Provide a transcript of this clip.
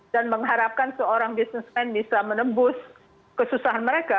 dan mengharapkan seorang bisnismen bisa menebus kesusahan mereka